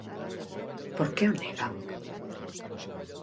¿Por que o negan?